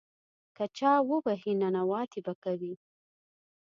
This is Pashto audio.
که چا ووهې، ننواتې به کوې.